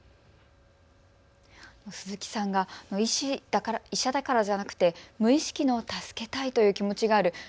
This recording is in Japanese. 鈴木さんが医者だからじゃなくて無意識の助けたいという気持ちがある。